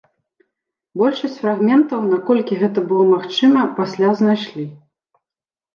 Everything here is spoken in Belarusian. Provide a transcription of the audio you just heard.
Большасць фрагментаў, наколькі гэта было магчыма, пасля знайшлі.